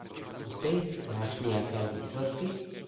Co ty? Máš nějaké výsledky?